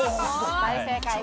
大正解です。